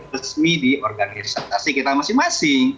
resmi di organisasi kita masing masing